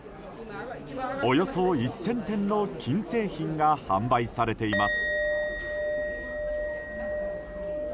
およそ１０００点の金製品が販売されています。